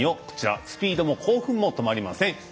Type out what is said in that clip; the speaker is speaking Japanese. こちら、スピードも興奮も止まりません。